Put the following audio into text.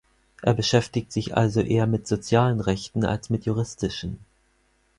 Er beschäftigt sich also eher mit sozialen Rechten als mit juristischen.